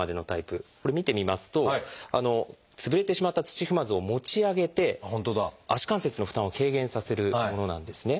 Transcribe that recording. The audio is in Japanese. これ見てみますと潰れてしまった土踏まずを持ち上げて足関節の負担を軽減させるものなんですね。